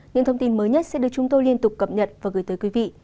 những thông tin mới nhất sẽ được chúng tôi liên tục cập nhật và gửi tới quý vị